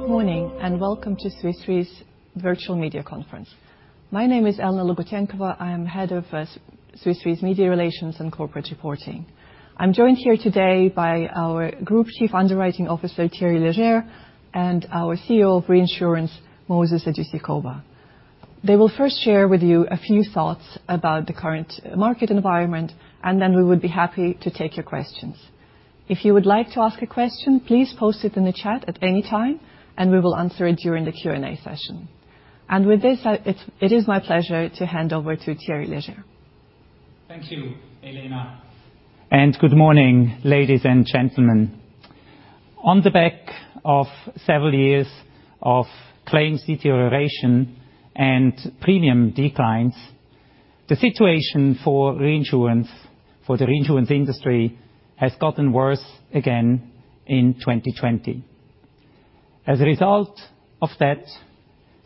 Good morning and welcome to Swiss Re's virtual media conference. My name is Elena Logutenkova. I am Head of Swiss Re's Media Relations and Corporate Reporting. I'm joined here today by our Group Chief Underwriting Officer, Thierry Léger, and our CEO of Reinsurance, Moses Ojeisekhoba. They will first share with you a few thoughts about the current market environment, and then we would be happy to take your questions. If you would like to ask a question, please post it in the chat at any time, and we will answer it during the Q&A session. With this, it is my pleasure to hand over to Thierry Léger. Thank you, Elena, and good morning, ladies and gentlemen. On the back of several years of claims deterioration and premium declines, the situation for reinsurance, for the reinsurance industry has gotten worse again in 2020. As a result of that,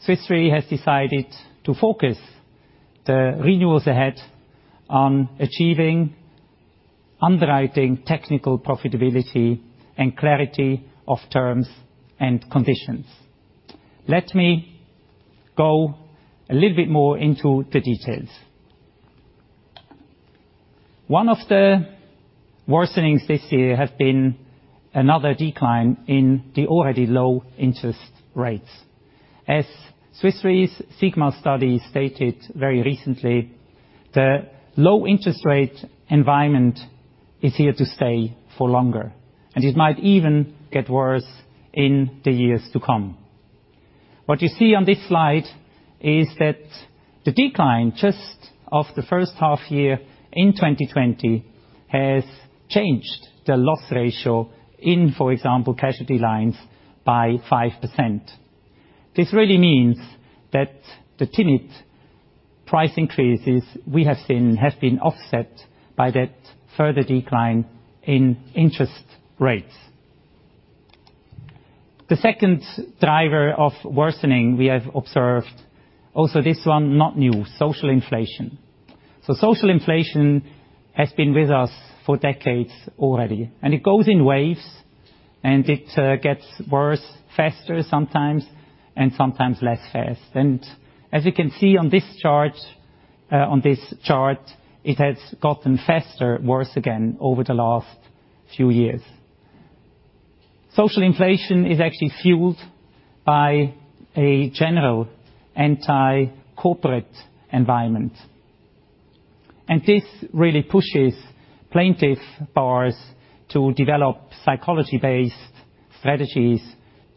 Swiss Re has decided to focus the renewals ahead on achieving underwriting technical profitability and clarity of terms and conditions. Let me go a little bit more into the details. One of the worsenings this year has been another decline in the already low interest rates. As Swiss Re's sigma study stated very recently, the low interest rate environment is here to stay for longer, and it might even get worse in the years to come. What you see on this slide is that the decline just of the first half year in 2020 has changed the loss ratio in, for example, casualty lines by 5%. This really means that the timid price increases we have seen have been offset by that further decline in interest rates. The second driver of worsening we have observed, also this one not new, social inflation. Social inflation has been with us for decades already, and it goes in waves, and it gets worse faster sometimes and sometimes less fast. As you can see on this chart, it has gotten faster, worse again, over the last few years. Social inflation is actually fueled by a general anti-corporate environment. And this really pushes plaintiff bars to develop psychology-based strategies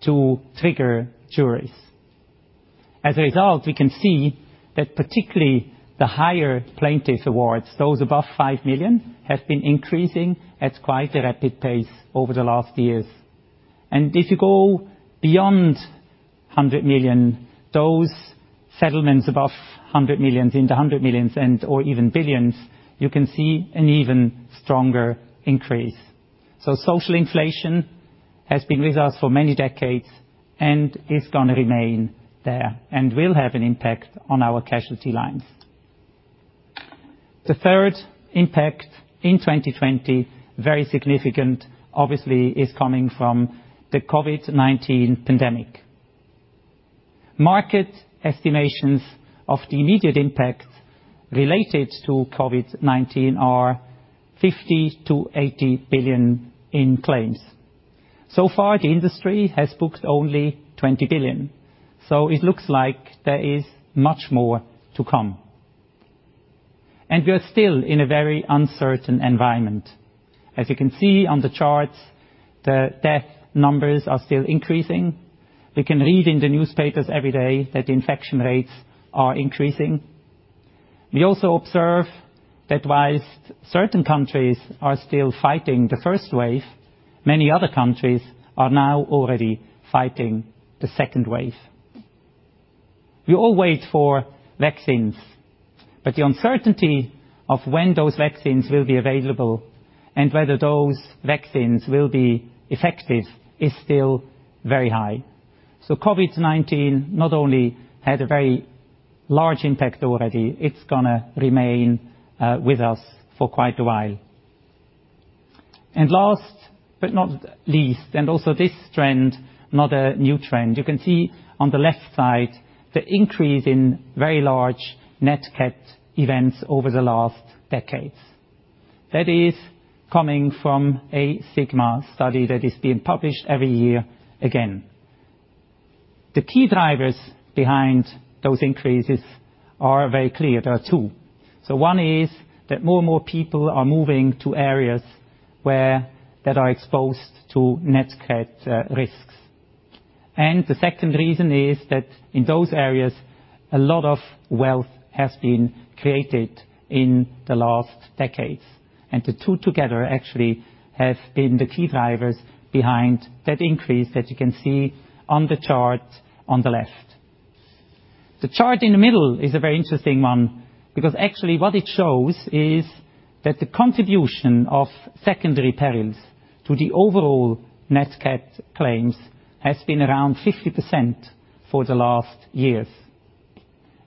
to trigger juries. As a result, we can see that particularly the higher plaintiffs awards, those above $5 million, have been increasing at quite a rapid pace over the last years. If you go beyond $100 million, those settlements above $100 million, into $100 millions and/or even billions, you can see an even stronger increase. Social inflation has been with us for many decades and is going to remain there and will have an impact on our casualty lines. The third impact in 2020, very significant, obviously, is coming from the COVID-19 pandemic. Market estimations of the immediate impact related to COVID-19 are $50 billion-$80 billion in claims. So far, the industry has booked only $20 billion, so it looks like there is much more to come. And we are still in a very uncertain environment. As you can see on the charts, the death numbers are still increasing. We can read in the newspapers every day that infection rates are increasing. We also observe that while certain countries are still fighting the first wave, many other countries are now already fighting the second wave. We all wait for vaccines, the uncertainty of when those vaccines will be available and whether those vaccines will be effective is still very high. COVID-19 not only had a very large impact already, it's going to remain with us for quite a while. And last but not least, and also this trend, not a new trend, you can see on the left side the increase in very large nat cat events over the last decades. That is coming from a Sigma study that is being published every year again. The key drivers behind those increases are very clear. There are two. One is that more and more people are moving to areas that are exposed to nat cat risks. The second reason is that in those areas, a lot of wealth has been created in the last decades. And the two together actually have been the key drivers behind that increase that you can see on the chart on the left. The chart in the middle is a very interesting one because actually what it shows is that the contribution of secondary perils to the overall nat cat claims has been around 50% for the last years.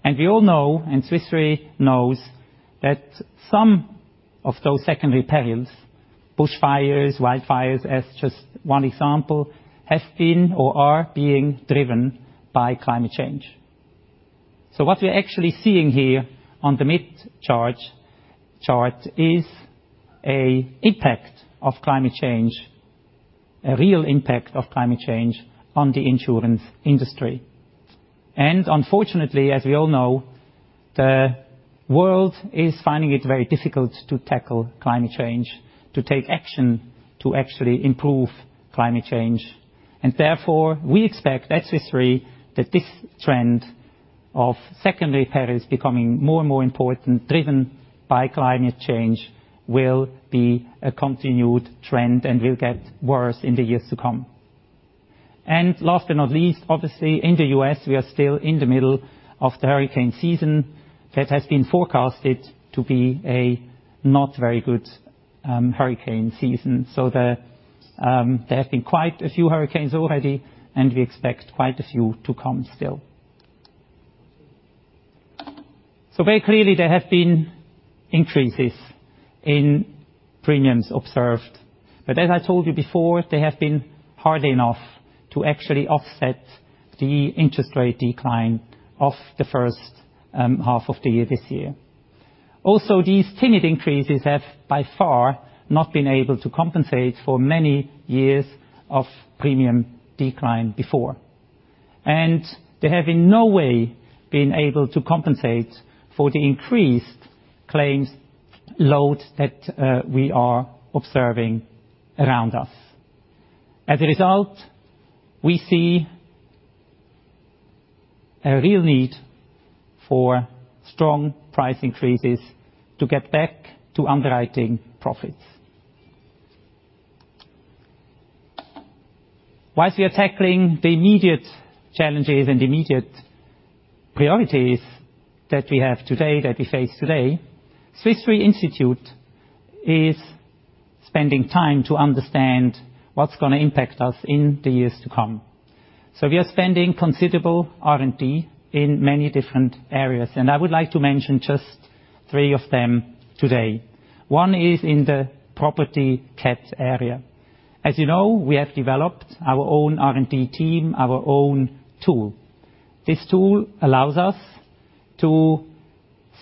And we all know, and Swiss Re knows, that some of those secondary perils, bushfires, wildfires as just one example, have been or are being driven by climate change. What we're actually seeing here on the mid chart is a impact of climate change, a real impact of climate change on the insurance industry. Unfortunately, as we all know, the world is finding it very difficult to tackle climate change, to take action to actually improve climate change. Therefore, we expect at Swiss Re that this trend of secondary perils becoming more and more important, driven by climate change, will be a continued trend and will get worse in the years to come. Last but not least, obviously in the U.S., we are still in the middle of the hurricane season that has been forecasted to be a not very good hurricane season. There have been quite a few hurricanes already, and we expect quite a few to come still. Very clearly, there have been increases in premiums observed. As I told you before, they have been hard enough to actually offset the interest rate decline of the first half of the year this year. These timid increases have by far not been able to compensate for many years of premium decline before. They have in no way been able to compensate for the increased claims load that we are observing around us. As a result, we see a real need for strong price increases to get back to underwriting profits. Whilst we are tackling the immediate challenges and immediate priorities that we have today, that we face today, Swiss Re Institute is spending time to understand what's going to impact us in the years to come. We are spending considerable R&D in many different areas, and I would like to mention just three of them today. One is in the property cat area. As you know, we have developed our own R&D team, our own tool. This tool allows us to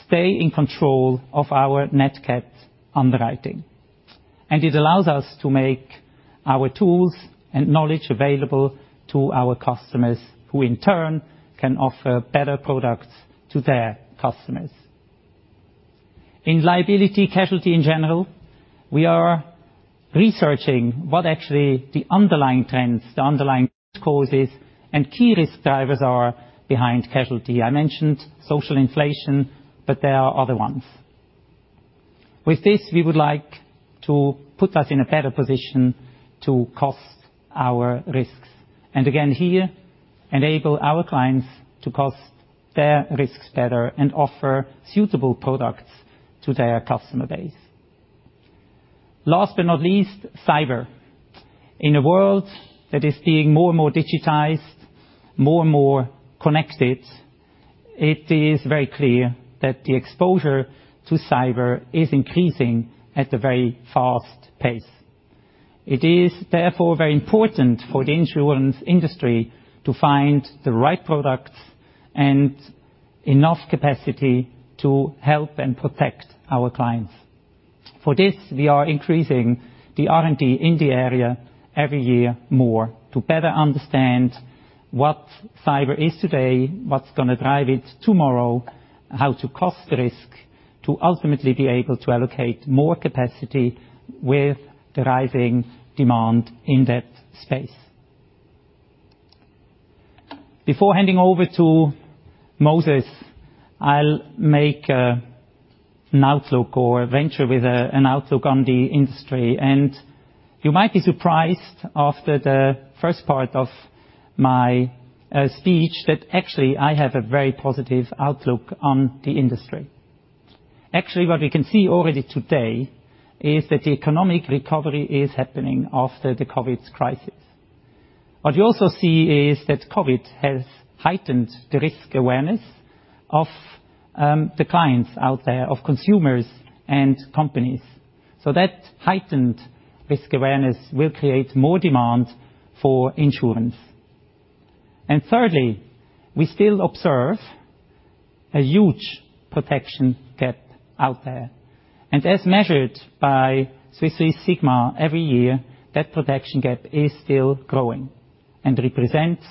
stay in control of our nat cat underwriting. It allows us to make our tools and knowledge available to our customers, who in turn can offer better products to their customers. In liability casualty in general, we are researching what actually the underlying trends, the underlying causes, and key risk drivers are behind casualty. I mentioned social inflation. There are other ones. With this, we would like to put us in a better position to cost our risks. Again, here enable our clients to cost their risks better and offer suitable products to their customer base. Last but not least, cyber. In a world that is being more and more digitized, more and more connected, it is very clear that the exposure to cyber is increasing at a very fast pace. It is therefore very important for the insurance industry to find the right products and enough capacity to help and protect our clients. For this, we are increasing the R&D in the area every year more to better understand what cyber is today, what's going to drive it tomorrow, how to cost the risk to ultimately be able to allocate more capacity with the rising demand in that space. Before handing over to Moses, I'll make an outlook or venture with an outlook on the industry. And you might be surprised after the first part of my speech that actually I have a very positive outlook on the industry. Actually, what we can see already today is that the economic recovery is happening after the COVID crisis. What you also see is that COVID has heightened the risk awareness of the clients out there, of consumers and companies. That heightened risk awareness will create more demand for insurance. And thirdly, we still observe a huge protection gap out there. As measured by Swiss Re sigma every year, that protection gap is still growing and represents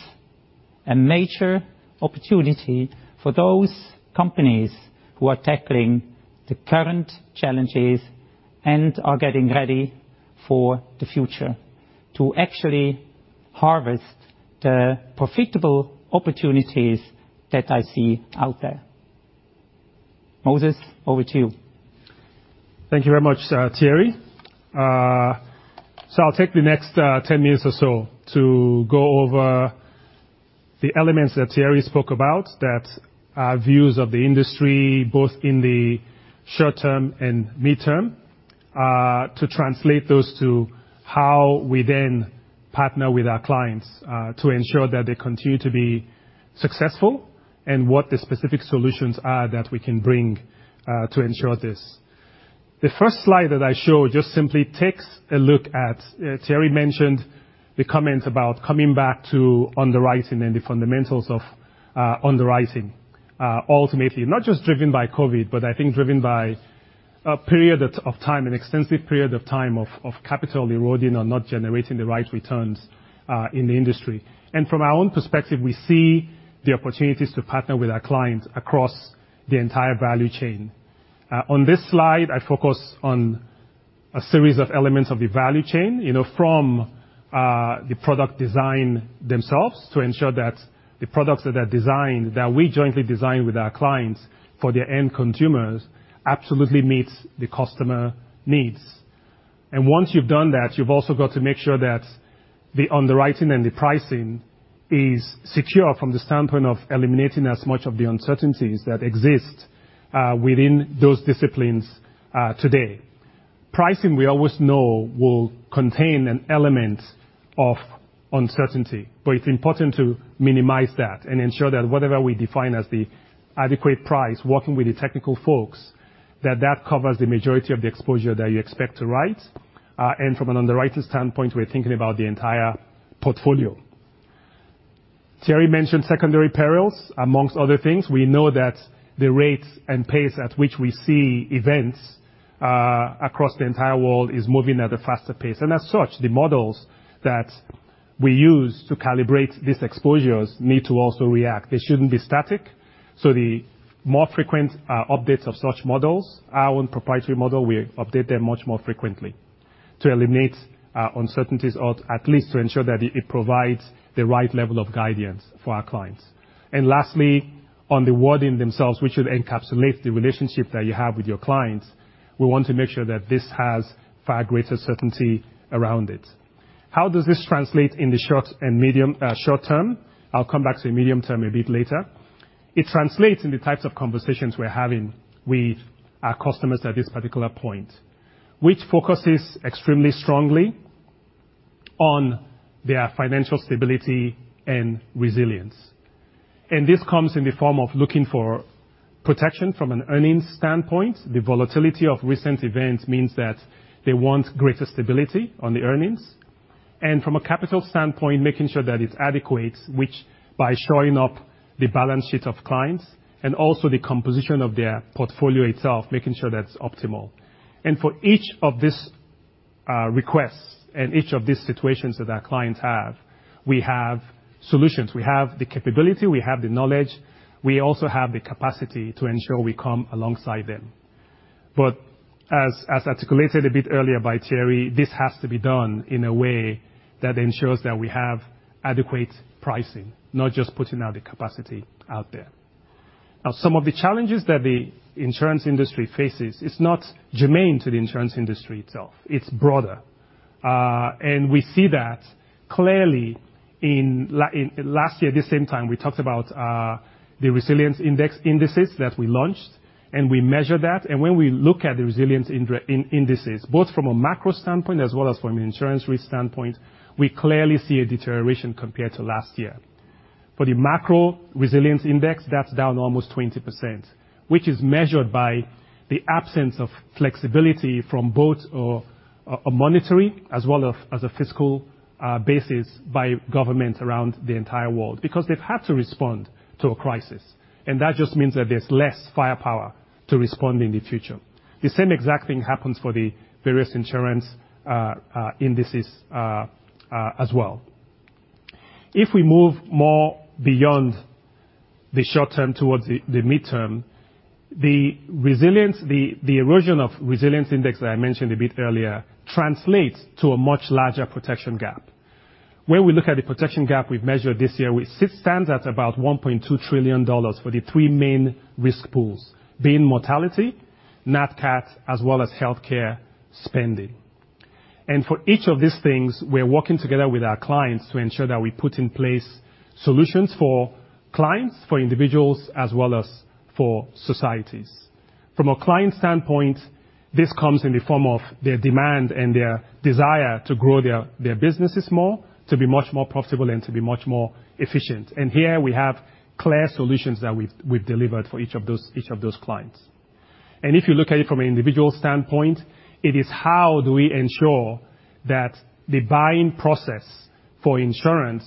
a major opportunity for those companies who are tackling the current challenges and are getting ready for the future to actually harvest the profitable opportunities that I see out there. Moses, over to you. Thank you very much, Thierry. I'll take the next 10 minutes or so to go over the elements that Thierry spoke about that are views of the industry, both in the short term and midterm. To translate those to how we then partner with our clients to ensure that they continue to be successful and what the specific solutions are that we can bring to ensure this. The first slide that I show just simply takes a look at, Thierry mentioned the comment about coming back to underwriting and the fundamentals of underwriting, ultimately, not just driven by COVID-19, but I think driven by a period of time, an extensive period of time of capital eroding or not generating the right returns in the industry. And from our own perspective, we see the opportunities to partner with our clients across the entire value chain. On this slide, I focus on a series of elements of the value chain, from the product design themselves to ensure that the products that are designed, that we jointly design with our clients for their end consumers, absolutely meets the customer needs. Once you've done that, you've also got to make sure that the underwriting and the pricing is secure from the standpoint of eliminating as much of the uncertainties that exist within those disciplines today. Pricing we always know will contain an element of uncertainty, but it's important to minimize that and ensure that whatever we define as the adequate price, working with the technical folks, that covers the majority of the exposure that you expect to write. From an underwriter standpoint, we're thinking about the entire portfolio. Thierry mentioned secondary perils, amongst other things. We know that the rate and pace at which we see events across the entire world is moving at a faster pace. As such, the models that we use to calibrate these exposures need to also react. They shouldn't be static. The more frequent updates of such models, our own proprietary model, we update them much more frequently to eliminate uncertainties or at least to ensure that it provides the right level of guidance for our clients. Lastly, on the wording themselves, which should encapsulate the relationship that you have with your clients, we want to make sure that this has far greater certainty around it. How does this translate in the short term? I'll come back to the medium term a bit later. It translates in the types of conversations we're having with our customers at this particular point, which focuses extremely strongly on their financial stability and resilience. And this comes in the form of looking for protection from an earnings standpoint. The volatility of recent events means that they want greater stability on the earnings. From a capital standpoint, making sure that it's adequate, which by shoring up the balance sheet of clients and also the composition of their portfolio itself, making sure that's optimal. For each of these requests and each of these situations that our clients have, we have solutions. We have the capability, we have the knowledge, we also have the capacity to ensure we come alongside them. As articulated a bit earlier by Thierry, this has to be done in a way that ensures that we have adequate pricing, not just putting out the capacity out there. Some of the challenges that the insurance industry faces, it's not germane to the insurance industry itself, it's broader. We see that clearly in last year, this same time, we talked about the resilience indices that we launched, and we measured that. When we look at the resilience indices, both from a macro standpoint as well as from an insurance risk standpoint, we clearly see a deterioration compared to last year. For the macro resilience index, that's down almost 20%, which is measured by the absence of flexibility from both a monetary as well as a fiscal basis by governments around the entire world. Because they've had to respond to a crisis. And that just means that there's less firepower to respond in the future. The same exact thing happens for the various insurance indices as well. If we move more beyond the short term towards the midterm, the erosion of resilience index that I mentioned a bit earlier translates to a much larger protection gap. Where we look at the protection gap we've measured this year, which stands at about $1.2 trillion for the three main risk pools, being mortality, nat cat, as well as healthcare spending. For each of these things, we're working together with our clients to ensure that we put in place solutions for clients, for individuals, as well as for societies. From a client standpoint, this comes in the form of their demand and their desire to grow their businesses more, to be much more profitable and to be much more efficient. And here we have clear solutions that we've delivered for each of those clients. If you look at it from an individual standpoint, it is how do we ensure that the buying process for insurance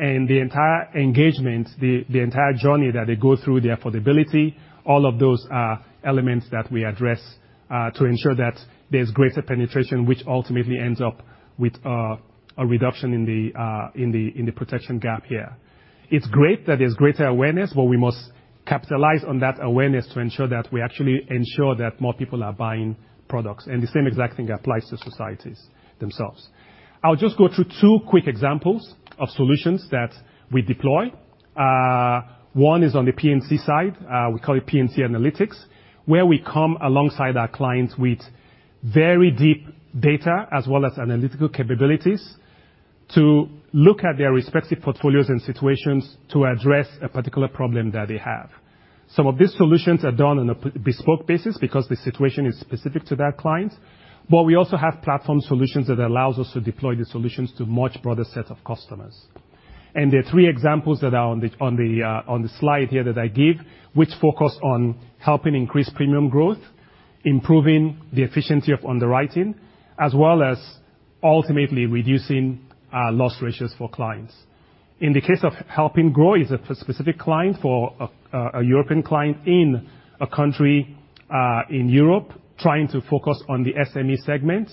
and the entire engagement, the entire journey that they go through, the affordability, all of those are elements that we address to ensure that there's greater penetration, which ultimately ends up with a reduction in the protection gap here. It's great that there's greater awareness, but we must capitalize on that awareness to ensure that we actually ensure that more people are buying products. The same exact thing applies to societies themselves. I'll just go through two quick examples of solutions that we deploy. One is on the P&C side. We call it P&C Analytics, where we come alongside our clients with very deep data as well as analytical capabilities to look at their respective portfolios and situations to address a particular problem that they have. Some of these solutions are done on a bespoke basis because the situation is specific to that client. But we also have platform solutions that allow us to deploy the solutions to a much broader set of customers. And there are three examples that are on the slide here that I give, which focus on helping increase premium growth, improving the efficiency of underwriting, as well as ultimately reducing loss ratios for clients. In the case of helping grow, is a specific client for a European client in a country in Europe trying to focus on the SME segment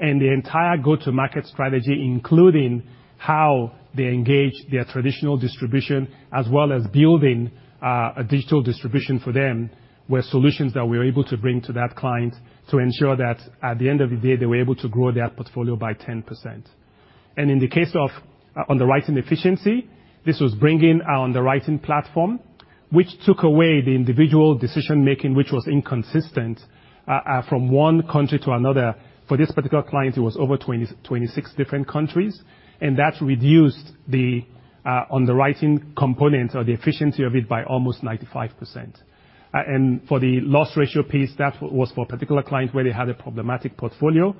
and the entire go-to-market strategy, including how they engage their traditional distribution, as well as building a digital distribution for them, were solutions that we were able to bring to that client to ensure that at the end of the day, they were able to grow their portfolio by 10%. In the case of underwriting efficiency, this was bringing our underwriting platform, which took away the individual decision-making, which was inconsistent from one country to another. For this particular client, it was over 26 different countries, that reduced the underwriting component or the efficiency of it by almost 95%. For the loss ratio piece, that was for a particular client where they had a problematic portfolio.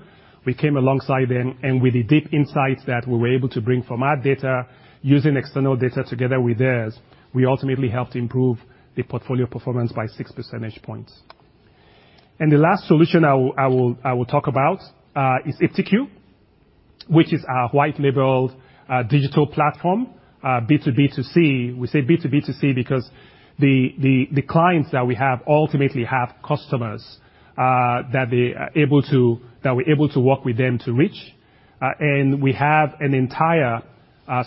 We came alongside them, with the deep insights that we were able to bring from our data, using external data together with theirs, we ultimately helped improve the portfolio performance by six percentage points. The last solution I will talk about is iptiQ, which is our white-label digital platform, B2B2C. We say B2B2C because the clients that we have ultimately have customers that we're able to work with them to reach. We have an entire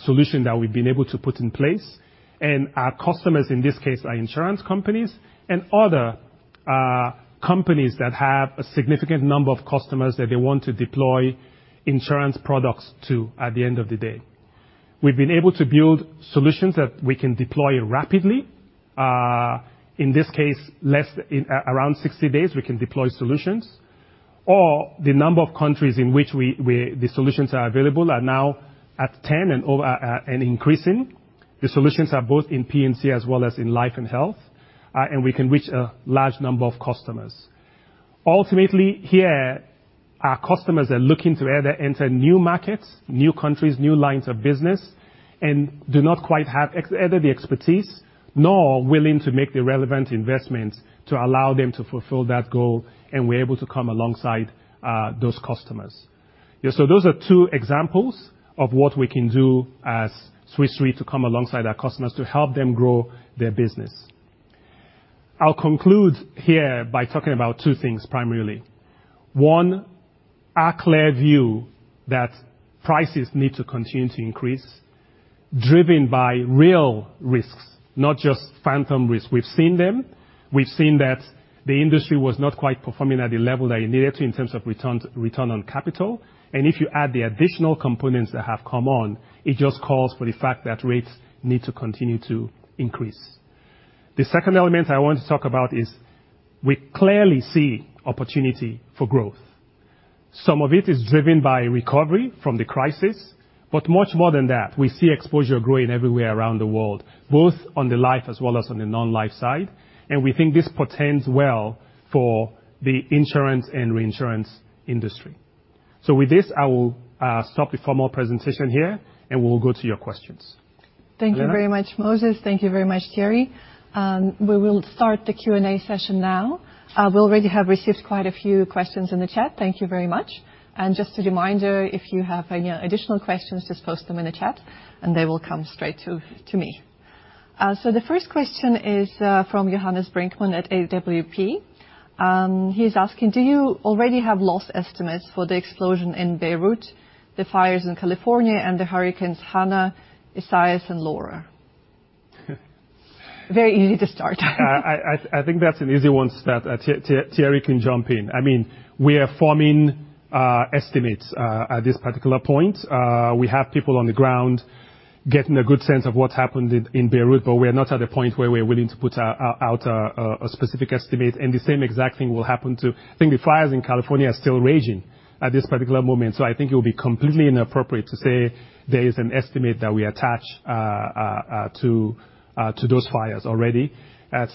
solution that we've been able to put in place. Our customers, in this case, are insurance companies and other companies that have a significant number of customers that they want to deploy insurance products to at the end of the day. We've been able to build solutions that we can deploy rapidly. In this case, less, around 60 days, we can deploy solutions. Or the number of countries in which the solutions are available are now at 10 and increasing. The solutions are both in P&C as well as in life and health. We can reach a large number of customers. Ultimately, here, our customers are looking to either enter new markets, new countries, new lines of business, and do not quite have either the expertise nor willing to make the relevant investments to allow them to fulfill that goal, and we're able to come alongside those customers. Those are two examples of what we can do as Swiss Re to come alongside our customers to help them grow their business. I'll conclude here by talking about two things primarily. One, our clear view that prices need to continue to increase driven by real risks, not just phantom risks. We've seen them. We've seen that the industry was not quite performing at the level that it needed to in terms of return on capital. And if you add the additional components that have come on, it just calls for the fact that rates need to continue to increase. The second element I want to talk about is we clearly see opportunity for growth. Some of it is driven by recovery from the crisis, but much more than that, we see exposure growing everywhere around the world, both on the life as well as on the non-life side, and we think this portends well for the insurance and reinsurance industry. With this, I will stop the formal presentation here, and we'll go to your questions. Elena? Thank you very much, Moses. Thank you very much, Thierry. We will start the Q&A session now. We already have received quite a few questions in the chat. Thank you very much. Just a reminder, if you have any additional questions, just post them in the chat, and they will come straight to me. The first question is from Johannes Brinkmann at AWP. He's asking: Do you already have loss estimates for the explosion in Beirut, the fires in California, and the hurricanes, Hanna, Isaias, and Laura? Very easy to start. I think that's an easy one that Thierry can jump in. We are forming estimates at this particular point. We have people on the ground getting a good sense of what happened in Beirut, but we are not at a point where we're willing to put out a specific estimate. The same exact thing will happen. I think the fires in California are still raging at this particular moment. I think it would be completely inappropriate to say there is an estimate that we attach to those fires already.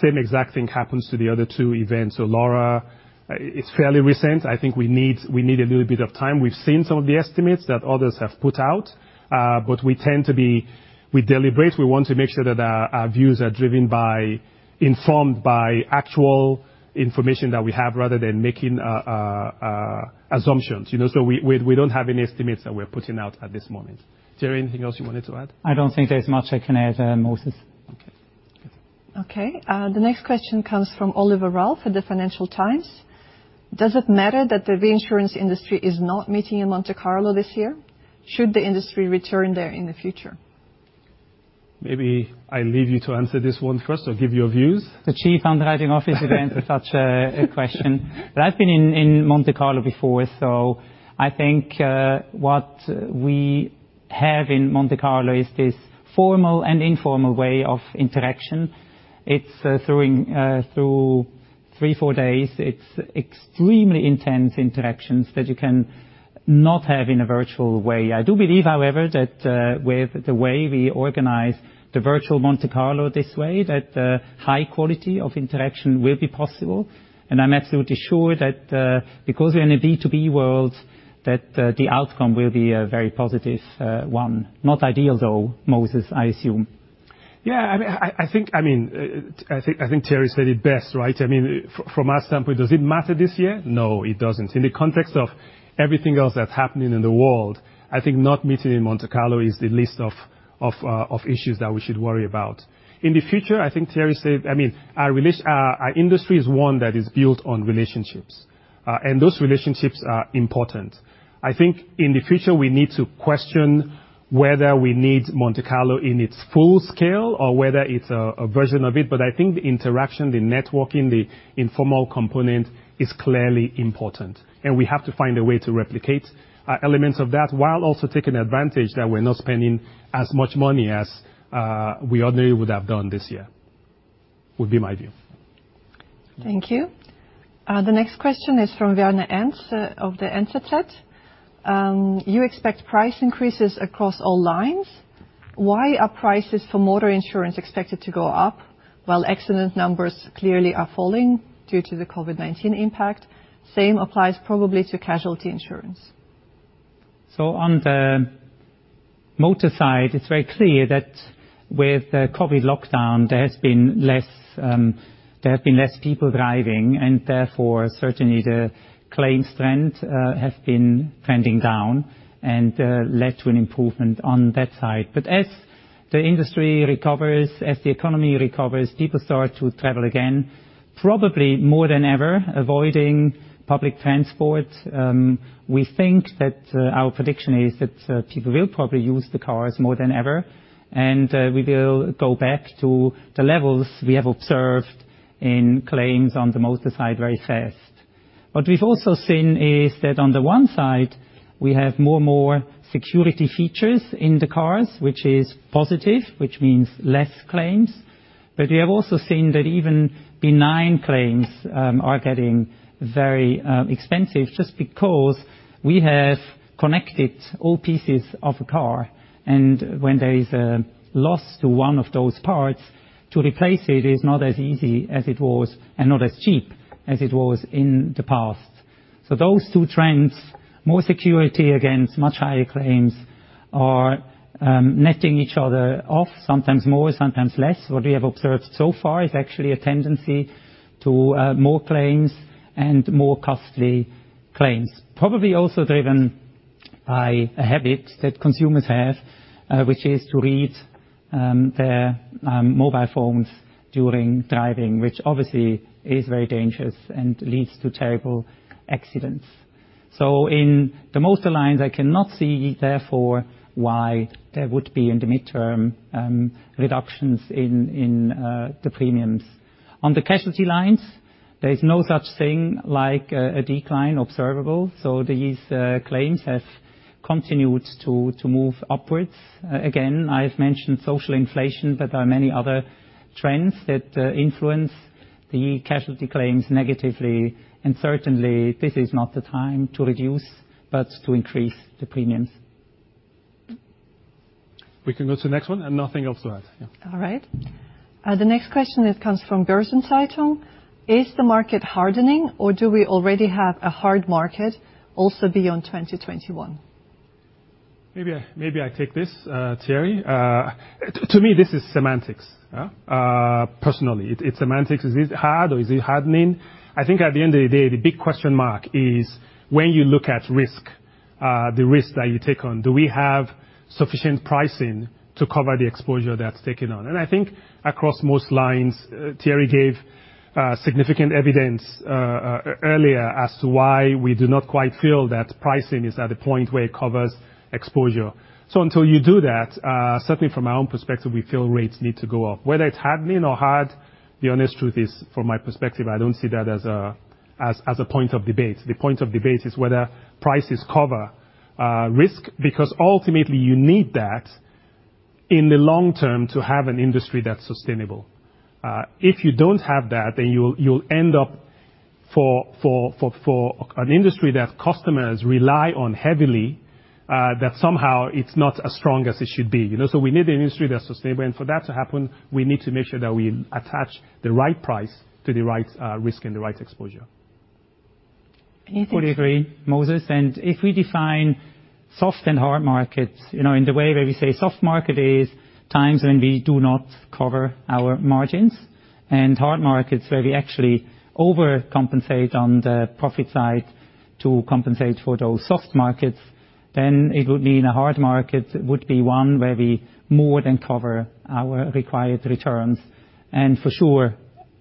Same exact thing happens to the other two events. Laura, it's fairly recent. I think we need a little bit of time. We've seen some of the estimates that others have put out, but we tend to be deliberate. We want to make sure that our views are informed by actual information that we have rather than making assumptions. We don't have any estimates that we're putting out at this moment. Thierry, anything else you wanted to add? I don't think there's much I can add, Moses. Okay. Okay. The next question comes from Oliver Ralph at the Financial Times. Does it matter that the reinsurance industry is not meeting in Monte Carlo this year? Should the industry return there in the future? Maybe I leave you to answer this one first or give your views. The Chief Underwriting Officer to answer such a question. I've been in Monte Carlo before, so I think what we have in Monte Carlo is this formal and informal way of interaction. It's three, four days. It's extremely intense interactions that you can not have in a virtual way. I do believe, however, that with the way we organize the virtual Monte Carlo this way, that high quality of interaction will be possible. I'm absolutely sure that because we're in a B2B world, that the outcome will be a very positive one. Not ideal, though, Moses, I assume. Yeah. I think, I mean, Thierry said it best, right. From our standpoint, does it matter this year? No, it doesn't. In the context of everything else that's happening in the world, I think not meeting in Monte Carlo is the least of issues that we should worry about. In the future, I think Thierry said our industry is one that is built on relationships, and those relationships are important. I think in the future, we need to question whether we need Monte Carlo in its full scale or whether it's a version of it. I think the interaction, the networking, the informal component is clearly important, and we have to find a way to replicate elements of that while also taking advantage that we're not spending as much money as we ordinarily would have done this year. Would be my view. Thank you. The next question is from Werner Enz of the NZZ. You expect price increases across all lines. Why are prices for motor insurance expected to go up while accident numbers clearly are falling due to the COVID-19 impact? Same applies probably to casualty insurance. On the motor side, it's very clear that with the COVID lockdown, there have been less people driving, and therefore, certainly the claims trend have been trending down and led to an improvement on that side. But as the industry recovers, as the economy recovers, people start to travel again, probably more than ever, avoiding public transport. We think that our prediction is that people will probably use the cars more than ever, and we will go back to the levels we have observed in claims on the motor side very fast. What we've also seen is that on the one side, we have more security features in the cars, which is positive, which means less claims. We have also seen that even benign claims are getting very expensive just because we have connected all pieces of a car, and when there is a loss to one of those parts, to replace it is not as easy as it was and not as cheap as it was in the past. Those two trends, more security against much higher claims, are netting each other off, sometimes more, sometimes less. What we have observed so far is actually a tendency to more claims and more costly claims. Probably also driven by a habit that consumers have, which is to read their mobile phones during driving, which obviously is very dangerous and leads to terrible accidents. In the motor lines, I cannot see, therefore, why there would be in the midterm, reductions in the premiums. On the casualty lines, there is no such thing like a decline observable. These claims have continued to move upwards. Again, I've mentioned social inflation, but there are many other trends that influence the casualty claims negatively, and certainly this is not the time to reduce, but to increase the premiums. We can go to the next one, nothing else to add. Yeah. All right. The next question comes from Börsen-Zeitung. Is the market hardening, or do we already have a hard market also beyond 2021? Maybe I take this, Thierry. To me, this is semantics, personally. It's semantics. Is it hard, or is it hardening? I think at the end of the day, the big question mark is when you look at risk, the risk that you take on, do we have sufficient pricing to cover the exposure that's taken on? I think across most lines, Thierry gave significant evidence earlier as to why we do not quite feel that pricing is at a point where it covers exposure. Until you do that, certainly from our own perspective, we feel rates need to go up. Whether it's hardening or hard, the honest truth is, from my perspective, I don't see that as a point of debate. The point of debate is whether prices cover risk, because ultimately you need that in the long term to have an industry that's sustainable. If you don't have that, then you'll end up for an industry that customers rely on heavily, that somehow it's not as strong as it should be. We need an industry that's sustainable. For that to happen, we need to make sure that we attach the right price to the right risk and the right exposure. Anything to- Fully agree, Moses. If we define soft and hard markets in the way where we say soft market is times when we do not cover our margins, hard markets where we actually overcompensate on the profit side to compensate for those soft markets, it would mean a hard market would be one where we more than cover our required returns. For sure,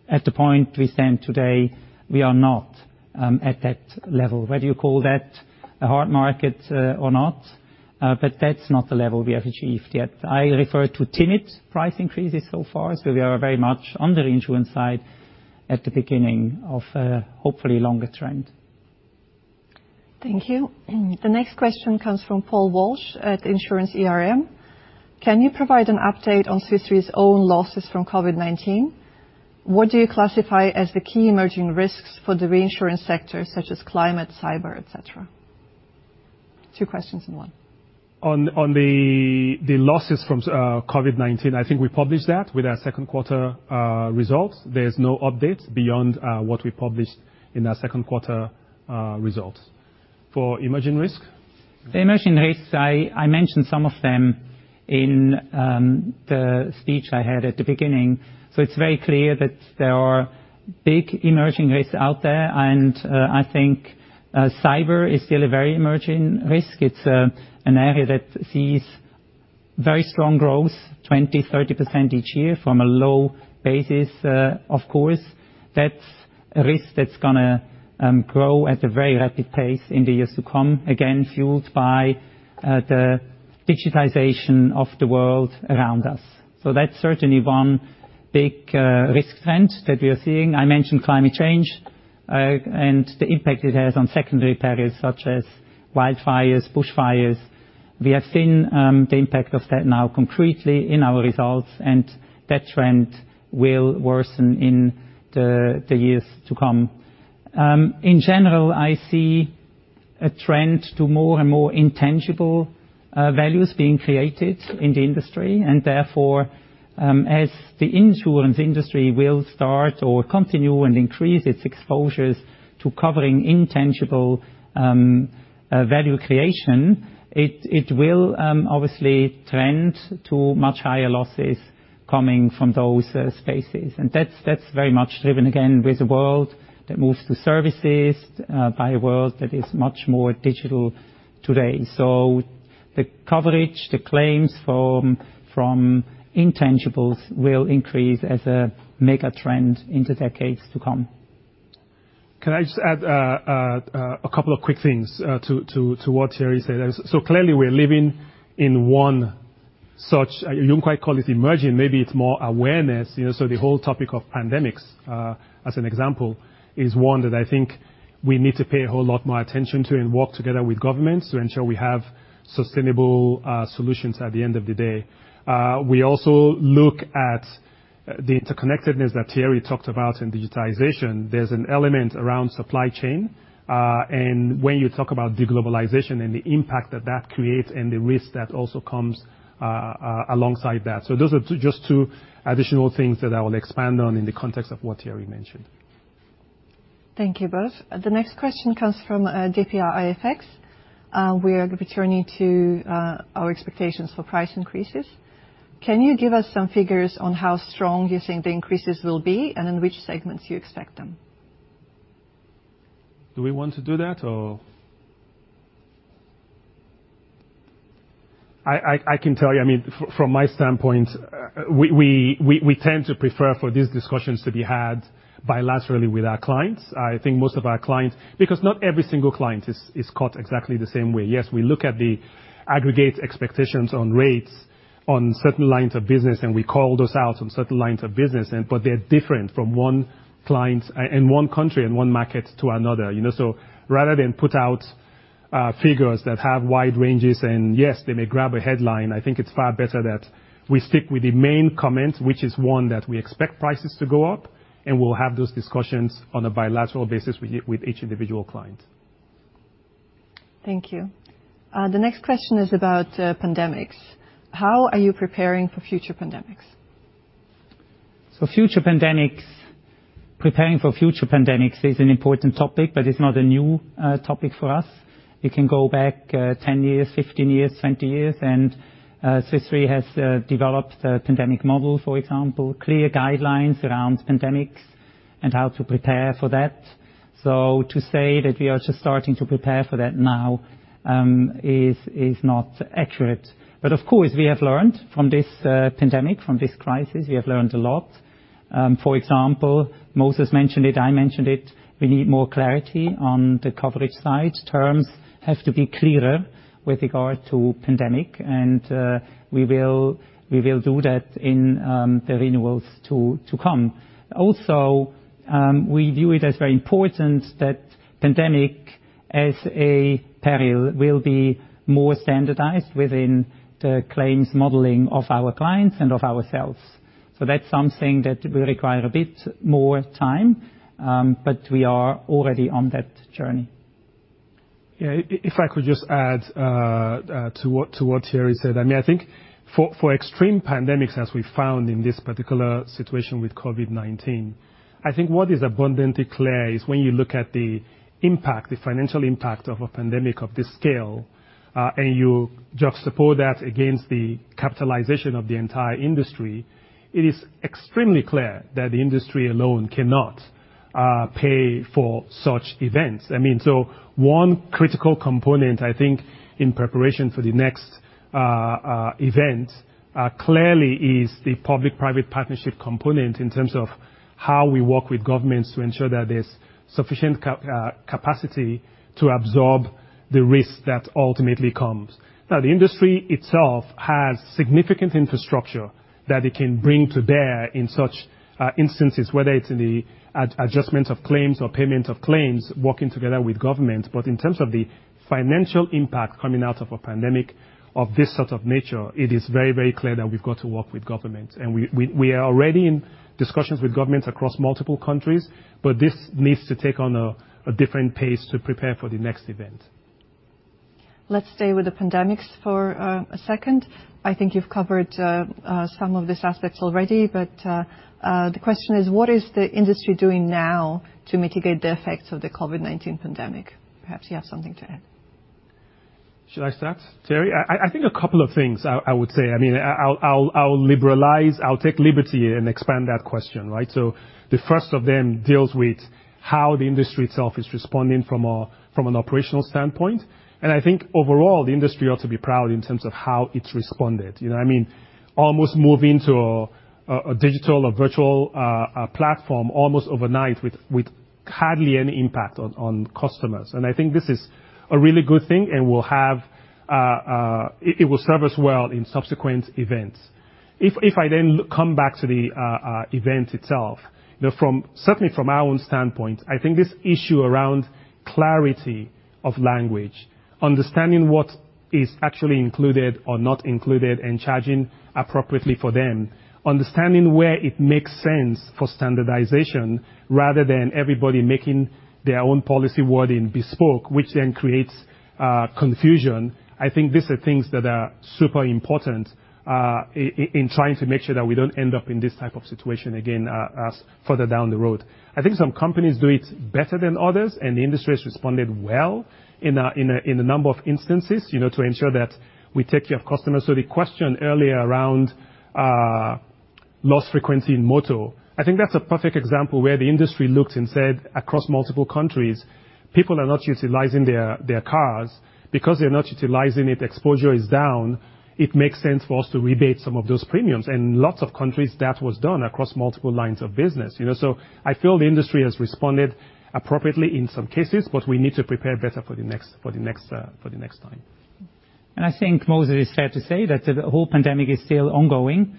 at the point we stand today, we are not at that level. Whether you call that a hard market or not, that's not the level we have achieved yet. I refer to timid price increases so far, we are very much on the insurance side at the beginning of a hopefully longer trend. Thank you. The next question comes from Paul Walsh at InsuranceERM. Can you provide an update on Swiss Re's own losses from COVID-19? What do you classify as the key emerging risks for the reinsurance sector, such as climate, cyber, et cetera? Two questions in one. On the losses from COVID-19, I think we published that with our second quarter results. There's no update beyond what we published in our second quarter results. For emerging risk? The emerging risks, I mentioned some of them in the speech I had at the beginning. It's very clear that there are big emerging risks out there, and I think cyber is still a very emerging risk. It's an area that sees very strong growth, 20%, 30% each year from a low basis, of course. That's a risk that's going to grow at a very rapid pace in the years to come, again, fueled by the digitization of the world around us. That's certainly one big risk trend that we are seeing. I mentioned climate change, and the impact it has on secondary perils, such as wildfires, bushfires. We have seen the impact of that now concretely in our results, and that trend will worsen in the years to come. In general, I see a trend to more and more intangible values being created in the industry. Therefore, as the insurance industry will start or continue and increase its exposures to covering intangible value creation, it will obviously trend to much higher losses coming from those spaces. That's very much driven again with a world that moves to services by a world that is much more digital today. The coverage, the claims from intangibles will increase as a mega trend in the decades to come. Can I just add a couple of quick things to what Thierry said? So, clearly we're living in one you might call it emerging, maybe it's more awareness. The whole topic of pandemics, as an example, is one that I think we need to pay a whole lot more attention to and work together with governments to ensure we have sustainable solutions at the end of the day. We also look at the interconnectedness that Thierry talked about in digitization. There's an element around supply chain, and when you talk about de-globalization and the impact that that creates and the risk that also comes alongside that. Those are just two additional things that I will expand on in the context of what Thierry mentioned. Thank you both. The next question comes from dpa-AFX. We are returning to our expectations for price increases. Can you give us some figures on how strong you think the increases will be, and in which segments you expect them? Do we want to do that or? I can tell you, from my standpoint, we tend to prefer for these discussions to be had bilaterally with our clients. I think most of our clients, because not every single client is cut exactly the same way. Yes, we look at the aggregate expectations on rates on certain lines of business, and we call those out on certain lines of business, but they're different from one client in one country and one market to another. Rather than put out figures that have wide ranges, and yes, they may grab a headline, I think it's far better that we stick with the main comment, which is one, that we expect prices to go up, and we'll have those discussions on a bilateral basis with each individual client. Thank you. The next question is about pandemics. How are you preparing for future pandemics? For future pandemics, preparing for future pandemics is an important topic, but it's not a new topic for us. You can go back 10 years, 15 years, 20 years, and Swiss Re has developed a pandemic model, for example, clear guidelines around pandemics and how to prepare for that. To say that we are just starting to prepare for that now is not accurate. But of course, we have learned from this pandemic, from this crisis. We have learned a lot. For example, Moses mentioned it, I mentioned it, we need more clarity on the coverage side. Terms have to be clearer with regard to pandemic, and we will do that in the renewals to come. Also, we view it as very important that pandemic as a peril will be more standardized within the claims modeling of our clients and of ourselves. That's something that will require a bit more time, but we are already on that journey. If I could just add to what Thierry said. I mean, I think for extreme pandemics, as we found in this particular situation with COVID-19, I think what is abundantly clear is when you look at the impact, the financial impact of a pandemic of this scale, and you juxtapose that against the capitalization of the entire industry, it is extremely clear that the industry alone cannot pay for such events. I mean, so, one critical component, I think, in preparation for the next event, clearly is the public-private partnership component in terms of how we work with governments to ensure that there's sufficient capacity to absorb the risk that ultimately comes. The industry itself has significant infrastructure that it can bring to bear in such instances, whether it's in the adjustment of claims or payment of claims, working together with government. But in terms of the financial impact coming out of a pandemic of this sort of nature, it is very clear that we've got to work with government. We are already in discussions with governments across multiple countries, but this needs to take on a different pace to prepare for the next event. Let's stay with the pandemics for a second. I think you've covered some of these aspects already, but the question is, what is the industry doing now to mitigate the effects of the COVID-19 pandemic? Perhaps you have something to add. Should I start, Thierry? I think a couple of things, I would say. I'll liberalize, I'll take liberty and expand that question. The first of them deals with how the industry itself is responding from an operational standpoint. I think overall, the industry ought to be proud in terms of how it's responded. You know what I mean? Almost moving to a digital or virtual platform almost overnight with hardly any impact on customers. I think this is a really good thing, and it will serve us well in subsequent events. If I then come back to the event itself. Certainly from our own standpoint, I think this issue around clarity of language, understanding what is actually included or not included, and charging appropriately for them. Understanding where it makes sense for standardization rather than everybody making their own policy wording bespoke, which then creates confusion. I think these are things that are super important in trying to make sure that we don't end up in this type of situation again further down the road. I think some companies do it better than others, and the industry has responded well in a number of instances, to ensure that we take care of customers. The question earlier around loss frequency in motor. I think that's a perfect example where the industry looked and said, across multiple countries, people are not utilizing their cars. Because they're not utilizing it, exposure is down. It makes sense for us to rebate some of those premiums. Lots of countries, that was done across multiple lines of business. I feel the industry has responded appropriately in some cases, but we need to prepare better for the next time. I think, Moses, it's fair to say that the whole pandemic is still ongoing,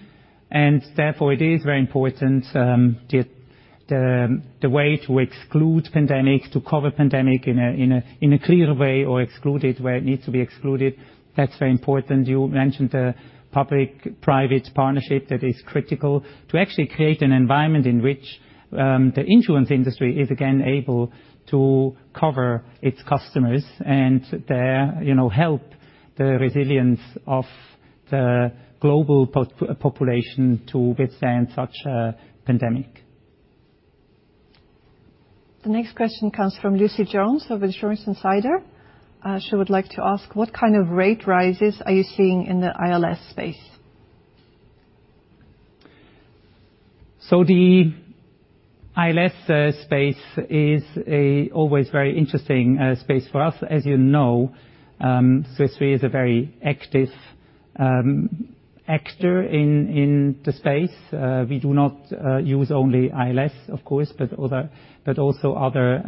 and therefore it is very important, the way to exclude pandemics, to cover pandemic in a clear way or exclude it where it needs to be excluded. That's very important. You mentioned the public-private partnership. That is critical to actually create an environment in which the insurance industry is again able to cover its customers and help the resilience of the global population to withstand such a pandemic. The next question comes from Lucy Jones of Insurance Insider. She would like to ask, what kind of rate rises are you seeing in the ILS space? The ILS space is a, always very interesting space for us. As you know, Swiss Re is a very active actor in the space. We do not use only ILS, of course, but also other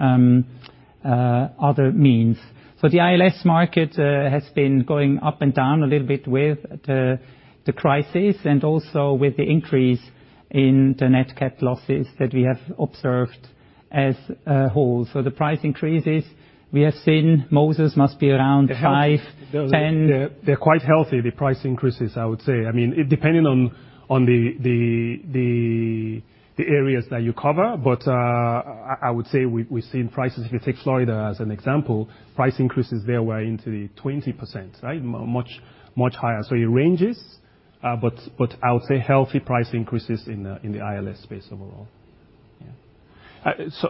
means. But the ILS market has been going up and down a little bit with the crisis, and also with the increase in the nat cat losses that we have observed as a whole. The price increases, we have seen, Moses, must be around 5%-10%- They're quite healthy, the price increases, I would say. Depending on the areas that you cover. But I would say we've seen prices, if you take Florida as an example, price increases there were into the 20%. Much higher. It ranges, but I would say healthy price increases in the ILS space overall. Yeah.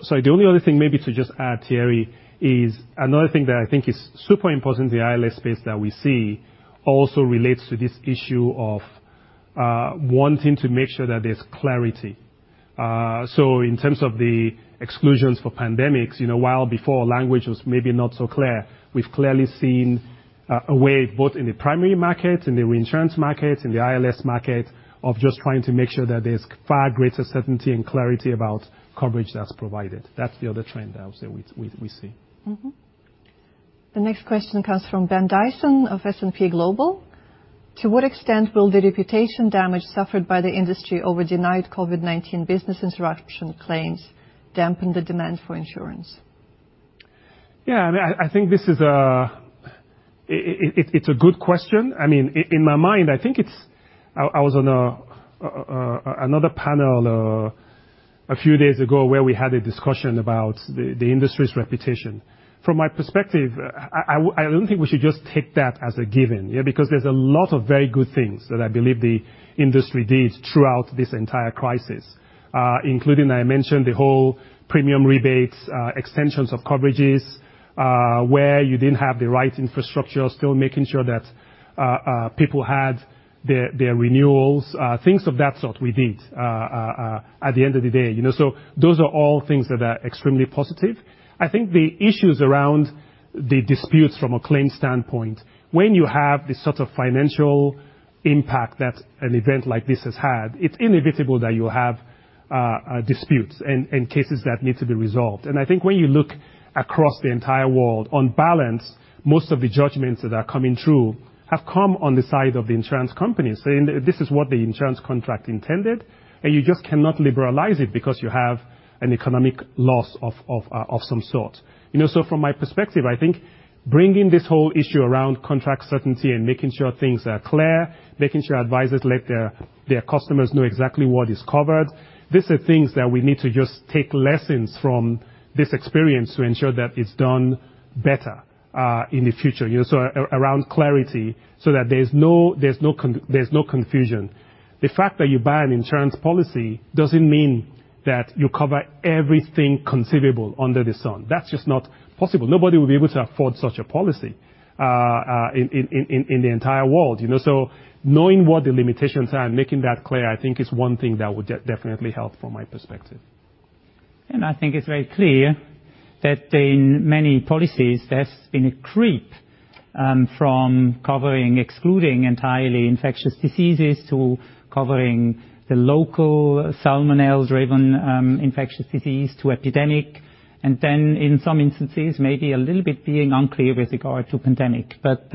Sorry, the only other thing maybe to just add, Thierry, is another thing that I think is super important in the ILS space that we see also relates to this issue of wanting to make sure that there's clarity. In terms of the exclusions for pandemics, while before language was maybe not so clear, we've clearly seen a way, both in the primary market, in the reinsurance market, in the ILS market, of just trying to make sure that there's far greater certainty and clarity about coverage that's provided. That's the other trend I would say we see. The next question comes from Ben Dyson of S&P Global. To what extent will the reputation damage suffered by the industry over denied COVID-19 business interruption claims dampen the demand for insurance? Yeah, I think this is a, it's a good question. I mean, in my mind, I was on another panel a few days ago where we had a discussion about the industry's reputation. From my perspective, I don't think we should just take that as a given, because there's a lot of very good things that I believe the industry did throughout this entire crisis, including, I mentioned the whole premium rebates, extensions of coverages, where you didn't have the right infrastructure, still making sure that people had their renewals, things of that sort we did at the end of the day. Those are all things that are extremely positive. I think the issues around the disputes from a claims standpoint, when you have the sort of financial impact that an event like this has had, it's inevitable that you'll have disputes and cases that need to be resolved. I think when you look across the entire world, on balance, most of the judgments that are coming through have come on the side of the insurance companies, saying that this is what the insurance contract intended, and you just cannot liberalize it because you have an economic loss of some sort. From my perspective, I think bringing this whole issue around contract certainty and making sure things are clear, making sure advisors let their customers know exactly what is covered, these are things that we need to just take lessons from this experience to ensure that it's done better in the future, so around clarity so that there's no confusion. The fact that you buy an insurance policy doesn't mean that you cover everything conceivable under the sun. That's just not possible. Nobody will be able to afford such a policy in the entire world. Knowing what the limitations are and making that clear, I think is one thing that would definitely help from my perspective. I think it's very clear that in many policies, there's been a creep from covering, excluding entirely infectious diseases to covering the local salmonella-driven infectious disease to epidemic, and then in some instances, maybe a little bit being unclear with regard to pandemic. But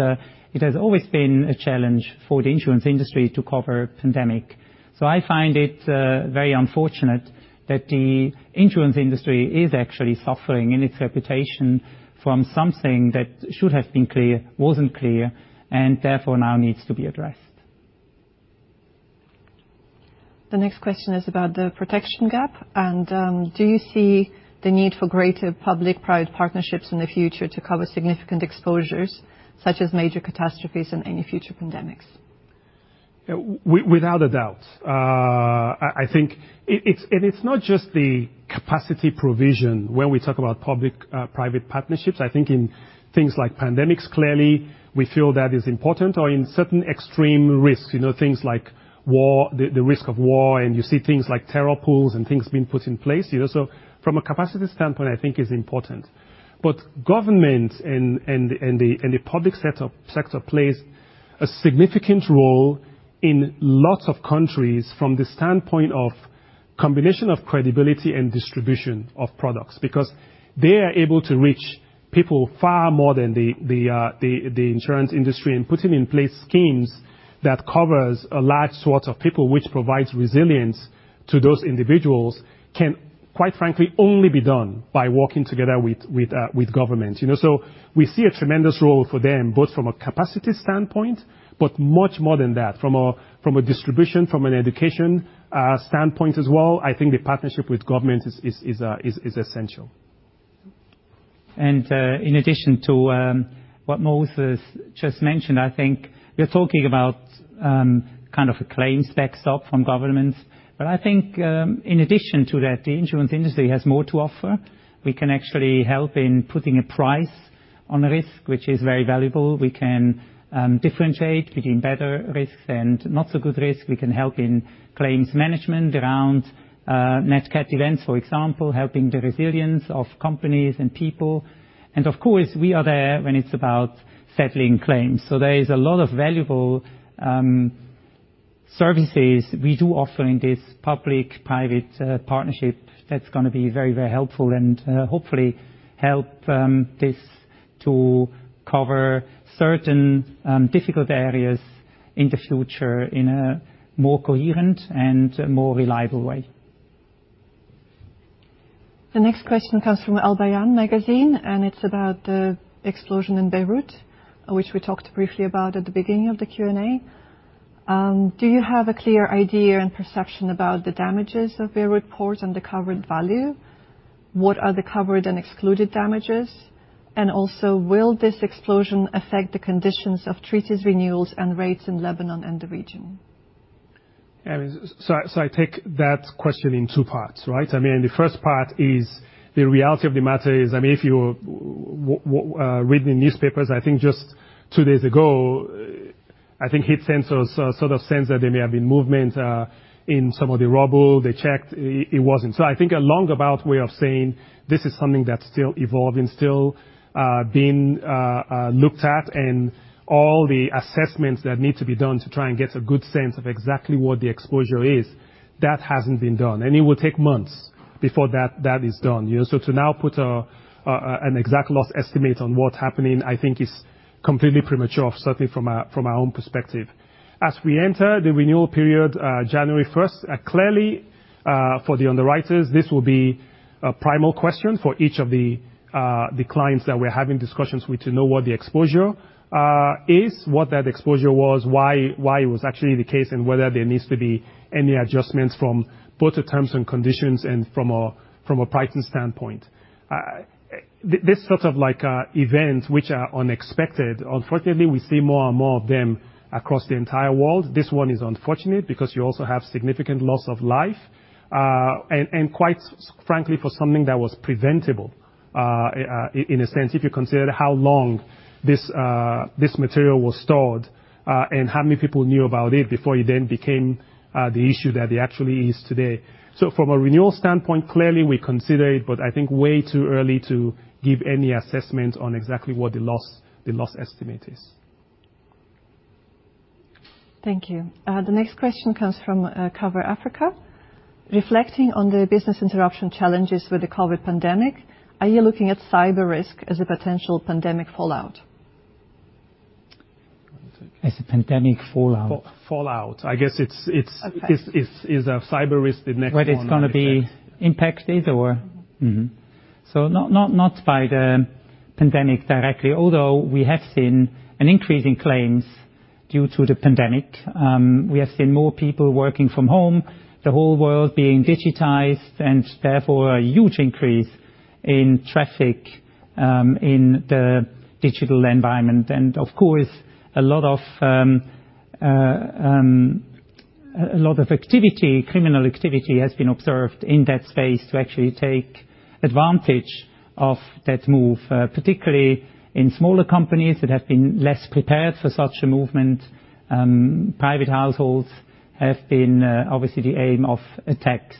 it has always been a challenge for the insurance industry to cover pandemic. I find it very unfortunate that the insurance industry is actually suffering in its reputation from something that should have been clear, wasn't clear, and therefore now needs to be addressed. The next question is about the protection gap, and do you see the need for greater public-private partnerships in the future to cover significant exposures such as major catastrophes and any future pandemics? Without a doubt. I think it's not just the capacity provision when we talk about public-private partnerships. I think in things like pandemics, clearly we feel that is important or in certain extreme risks, things like the risk of war, and you see things like terror pools and things being put in place. From a capacity standpoint, I think it's important. But government and the public sector plays a significant role in lots of countries from the standpoint of combination of credibility and distribution of products because they are able to reach people far more than the insurance industry and putting in place schemes that covers a large sort of people which provides resilience to those individuals can, quite frankly, only be done by working together with government. We see a tremendous role for them, both from a capacity standpoint, but much more than that. From a distribution, from an education standpoint as well, I think the partnership with government is essential. In addition to what Moses just mentioned, I think we're talking about kind of a claims backstop from governments. I think in addition to that, the insurance industry has more to offer. We can actually help in putting a price on a risk, which is very valuable. We can differentiate between better risks and not so good risk. We can help in claims management around nat cat events, for example, helping the resilience of companies and people. Of course, we are there when it's about settling claims. There is a lot of valuable services we do offer in this public-private partnership that's going to be very, very helpful and hopefully help this to cover certain difficult areas in the future in a more coherent and more reliable way. The next question comes from Al Bayan magazine, and it's about the explosion in Beirut, which we talked briefly about at the beginning of the Q&A. Do you have a clear idea and perception about the damages of Beirut Port and the covered value? What are the covered and excluded damages? Also, will this explosion affect the conditions of treaties renewals and rates in Lebanon and the region? I take that question in two parts, right? The first part is the reality of the matter is, if you read the newspapers, I think just two days ago, I think heat sensors sort of sensed that there may have been movement in some of the rubble. They checked, it wasn't. I think a long about way of saying this is something that's still evolving, still being looked at, and all the assessments that need to be done to try and get a good sense of exactly what the exposure is, that hasn't been done, and it will take months before that is done. To now put an exact loss estimate on what's happening, I think is completely premature, certainly from our own perspective. As we enter the renewal period, January 1st. Clearly, for the underwriters, this will be a primal question for each of the clients that we're having discussions with to know what the exposure is, what that exposure was, why it was actually the case, and whether there needs to be any adjustments from both the terms and conditions and from a pricing standpoint. This sort of event, which are unexpected, unfortunately, we see more and more of them across the entire world. This one is unfortunate because you also have significant loss of life, and quite frankly, for something that was preventable, in a sense, if you consider how long this material was stored and how many people knew about it before it then became the issue that it actually is today. From a renewal standpoint, clearly we consider it, but I think way too early to give any assessment on exactly what the loss estimate is. Thank you. The next question comes from Cover Africa. Reflecting on the business interruption challenges with the COVID pandemic, are you looking at cyber risk as a potential pandemic fallout? As a pandemic fallout. Fallout. I guess it's- Okay. it's is cyber risk the next one? Whether it's going to be impact is or. Mm-hmm. Not by the pandemic directly, although we have seen an increase in claims due to the pandemic. We have seen more people working from home, the whole world being digitized, and therefore, a huge increase in traffic in the digital environment. And of course, a lot of criminal activity has been observed in that space to actually take advantage of that move, particularly in smaller companies that have been less prepared for such a movement. Private households have been obviously the aim of attacks.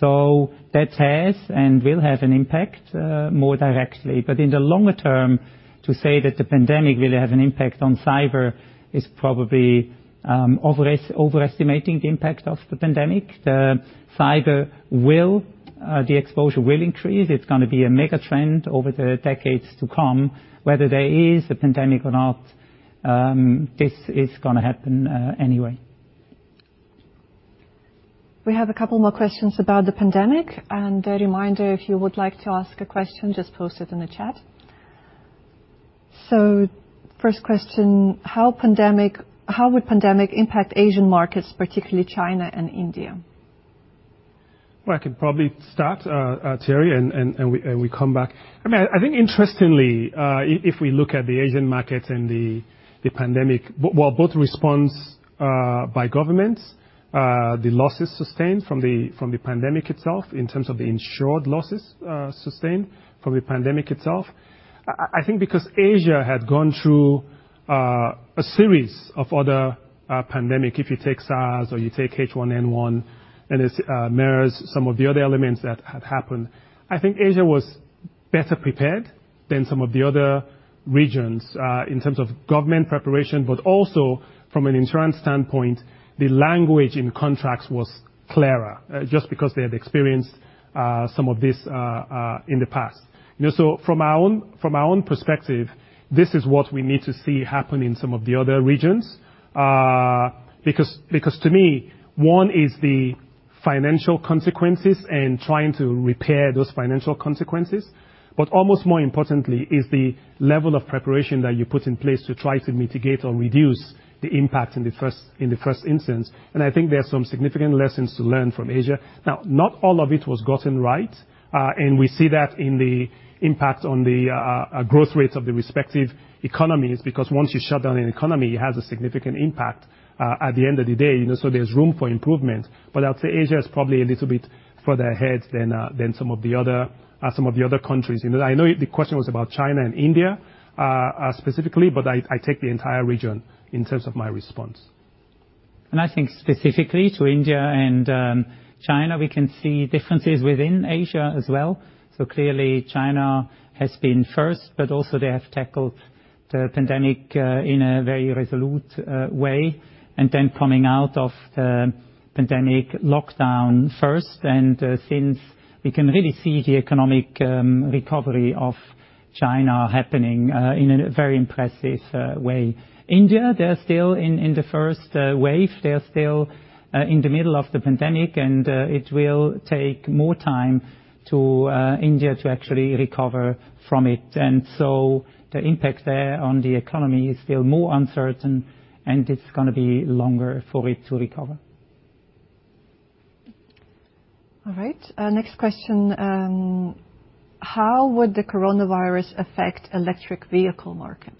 That has and will have an impact more directly. In the longer term, to say that the pandemic will have an impact on cyber is probably overestimating the impact of the pandemic. The cyber, the exposure will increase. It's going to be a mega trend over the decades to come. Whether there is a pandemic or not, this is going to happen anyway. We have a couple more questions about the pandemic. A reminder, if you would like to ask a question, just post it in the chat. First question, how pandemic, how would pandemic impact Asian markets, particularly China and India? Well, I could probably start, Thierry, and we come back. I think interestingly, if we look at the Asian markets and the pandemic, while both response by governments, the losses sustained from the pandemic itself in terms of the insured losses sustained from the pandemic itself. I think because Asia had gone through a series of other pandemic, if you take SARS or you take H1N1, and it mirrors some of the other elements that have happened, I think Asia was better prepared than some of the other regions in terms of government preparation, but also from an insurance standpoint, the language in contracts was clearer just because they had experienced some of this in the past. From our own perspective, this is what we need to see happen in some of the other regions. Because to me, one is the financial consequences and trying to repair those financial consequences, almost more importantly is the level of preparation that you put in place to try to mitigate or reduce the impact in the first instance. And I think there are some significant lessons to learn from Asia. Not all of it was gotten right, and we see that in the impact on the growth rates of the respective economies, because once you shut down an economy, it has a significant impact at the end of the day. There's room for improvement. But I'll say Asia is probably a little bit further ahead than some of the other countries. I know the question was about China and India specifically, but I take the entire region in terms of my response. I think specifically to India and China, we can see differences within Asia as well. Clearly China has been first, but also they have tackled the pandemic in a very resolute way, and then coming out of the pandemic lockdown first. Since we can really see the economic recovery of China happening in a very impressive way. India, they are still in the first wave. They are still in the middle of the pandemic, and it will take more time to India to actually recover from it. The impact there on the economy is still more uncertain, and it is going to be longer for it to recover. All right. Next question. How would the coronavirus affect electric vehicle market?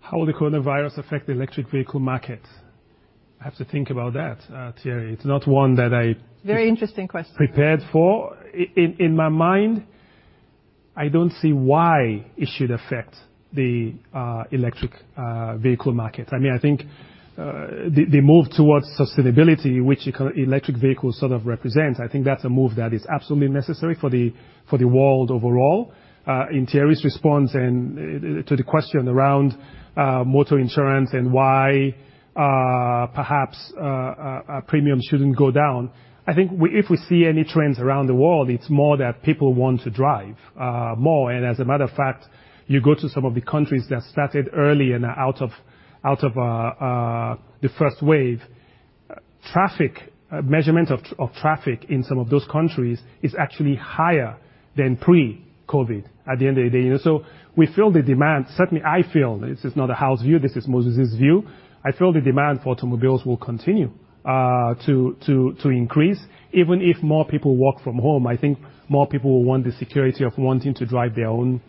How would the coronavirus affect the electric vehicle market? I have to think about that, Thierry. It's not one that I- Very interesting question. prepared for. In my mind, I don't see why it should affect the electric vehicle market. I think the move towards sustainability, which electric vehicles sort of represent, I think that's a move that is absolutely necessary for the world overall. In Thierry's response and to the question around motor insurance and why perhaps premiums shouldn't go down, I think if we see any trends around the world, it's more that people want to drive more. As a matter of fact, you go to some of the countries that started early and are out of the first wave. Traffic, measurement of traffic in some of those countries is actually higher than pre-COVID-19 at the end of the day. We feel the demand, certainly I feel, this is not a house view, this is Moses' view. I feel the demand for automobiles will continue to increase even if more people work from home. I think more people will want the security of wanting to drive their own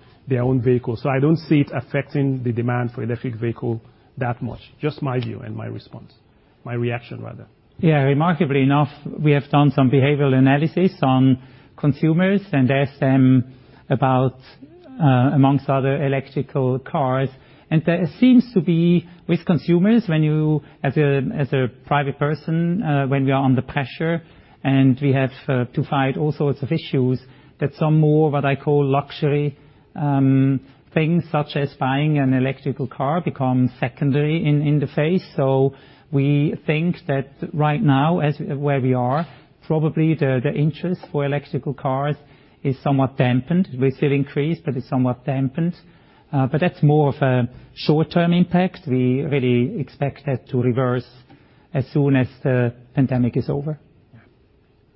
vehicle. I don't see it affecting the demand for electric vehicle that much. Just my view and my response, my reaction rather. Yeah. Remarkably enough, we have done some behavioral analysis on consumers and asked them about amongst other electrical cars. There seems to be with consumers, as a private person, when we are under pressure and we have to fight all sorts of issues, that some more, what I call luxury things such as buying an electrical car becomes secondary in the face. We think that right now, as where we are, probably the interest for electrical cars is somewhat dampened. We see it increase, but it's somewhat dampened. That's more of a short-term impact. We really expect that to reverse as soon as the pandemic is over. Yeah.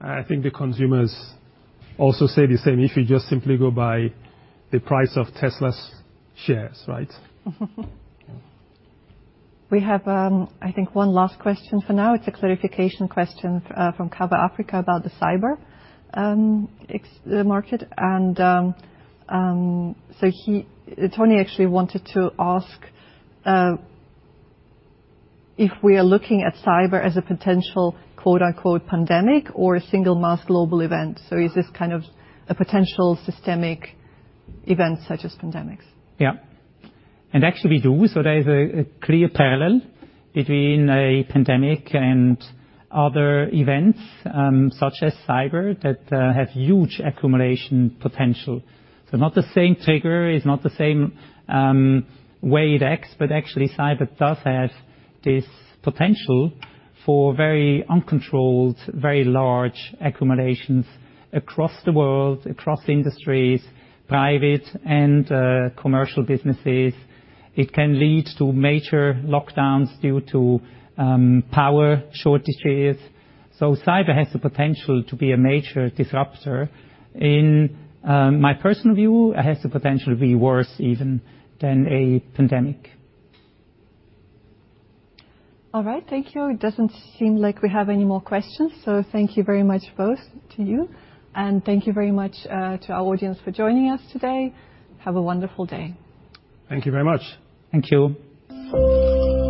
I think the consumers also say the same if you just simply go by the price of Tesla's shares, right? We have, I think one last question for now. It's a clarification question from Cover Africa about the cyber market. Tony actually wanted to ask if we are looking at cyber as a potential pandemic or a single mass global event. Is this kind of a potential systemic event such as pandemics? Yeah. Actually we do. There is a clear parallel between a pandemic and other events, such as cyber that have huge accumulation potential. Not the same trigger, it's not the same way it acts, but actually cyber does have this potential for very uncontrolled, very large accumulations across the world, across industries, private and commercial businesses. It can lead to major lockdowns due to power shortages. Cyber has the potential to be a major disruptor. In my personal view, it has the potential to be worse even than a pandemic. All right. Thank you. It doesn't seem like we have any more questions, so thank you very much both to you. Thank you very much to our audience for joining us today. Have a wonderful day. Thank you very much. Thank you.